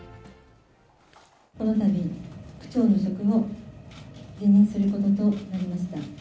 このたび、区長の職を辞任することとなりました。